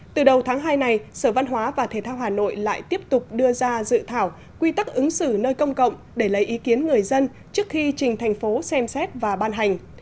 từ đầu tháng hai này sở văn hóa và thể thao hà nội lại tiếp tục đưa ra dự thảo quy tắc ứng xử nơi công cộng để lấy ý kiến người dân trước khi trình thành phố xem xét và ban hành